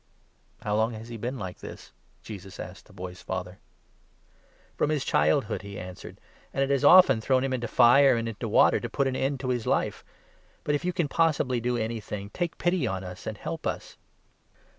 " How long has he been like this? " Jesus asked the boy's 21 father. "From his childhood," he answered; "and it has often 22 thrown him into fire and into water to put an end to his life ; but, if you can possibly do anything, take pity on us, and help us